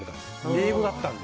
英語だったので。